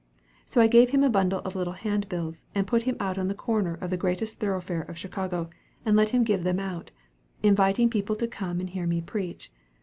So I gave him a bundle of little handbills, and put him out on the corner of the greatest thoroughfare of Chicago, and let him give them out, inviting people to come up and hear me preach.